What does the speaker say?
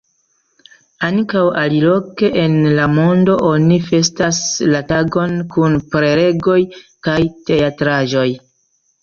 Ankaŭ aliloke en la mondo oni festas la tagon kun prelegoj kaj teatraĵoj.